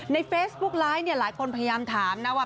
ในเฟซบุ๊กไลฟ์เนี่ยหลายคนพยายามถามนะว่า